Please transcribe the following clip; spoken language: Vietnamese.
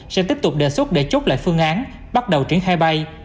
sẽ tiếp tục đề xuất để chốt lại phương án bắt đầu triển khai bay